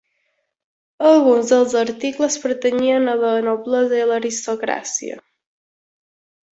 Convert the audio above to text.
Alguns dels articles pertanyien a la noblesa i a l'aristocràcia.